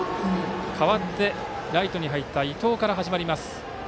代わって、ライトに入った伊藤から始まります。